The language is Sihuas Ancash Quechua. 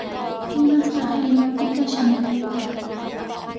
¿Imaytaq Limapita shamurqayki?